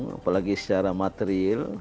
apalagi secara material